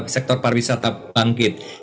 sektor pariwisata bangkit